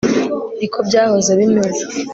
niko byahoze bimeze